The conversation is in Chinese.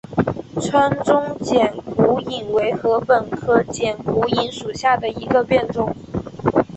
川中剪股颖为禾本科剪股颖属下的一个变种。